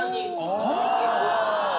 神木君！